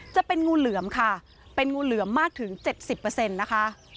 จะเป็นงูเหลือมค่ะเป็นงูเหลือมมากถึง๗๐นะคะ